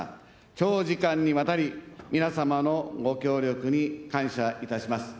長時間にわたり、皆様のご協力に感謝いたします。